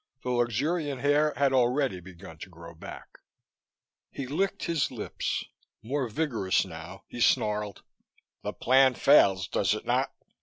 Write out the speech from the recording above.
The luxuriant hair had already begun to grow back. He licked his lips. More vigorous now, he snarled: "The plan fails, does it not?